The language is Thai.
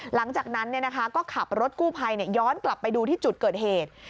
หลังจากนั้นก็ขับรถกู้ภัยย้อนกลับไปดูที่จุดเกิดเหตุ